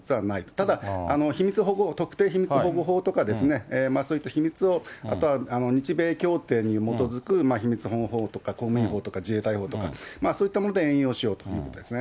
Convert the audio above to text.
ただ、特定秘密保護法とか、そういった秘密を、あとは日米協定に基づく秘密保護法とか公務員法とか自衛隊法とか、そういったもので援用しようということですね。